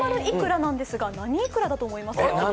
○○いくらなんですがなんだと思いますか？